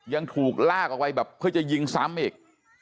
ยังถูกลากออกไปแบบเพื่อจะยิงซ้ำอีก